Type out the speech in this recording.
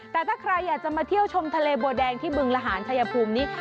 แต่ถ้าใครอยากจะมาเที่ยวชมทะเลบัวแดงที่บึงละหารชายภูมินี้